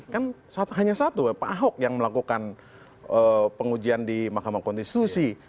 kan hanya satu pak ahok yang melakukan pengujian di mahkamah konstitusi